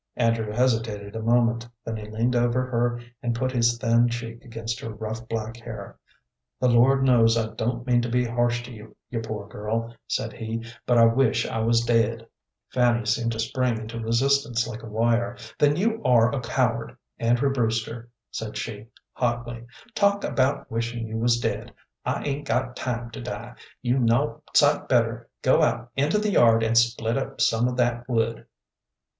Andrew hesitated a moment, then he leaned over her and put his thin cheek against her rough black hair. "The Lord knows I don't mean to be harsh to you, you poor girl," said he, "but I wish I was dead." Fanny seemed to spring into resistance like a wire. "Then you are a coward, Andrew Brewster," said she, hotly. "Talk about wishin' you was dead. I 'ain't got time to die. You'd 'nough sight better go out into the yard and split up some of that wood."